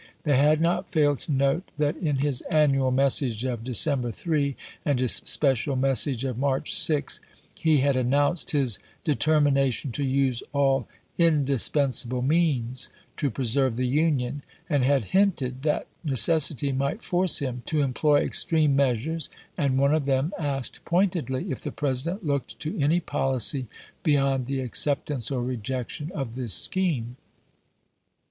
They had not failed to note that in his annual message of December 3, and his special message of March 6, he had announced his determi nation to use all " indispensable means " to preserve the Union, and had hinted that necessity might force him to employ extreme measures ; and one of them asked pointedly " if the President looked to any policy beyond the acceptance or rejection of this scheme."